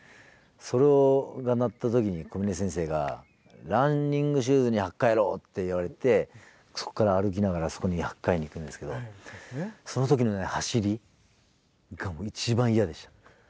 それが鳴った時に小嶺先生が「ランニングシューズに履き替えろ」って言われてそこから歩きながらあそこに履き替えに行くんですけどその時の走りが一番嫌でした。